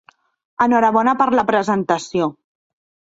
Enhorabona per la presentació.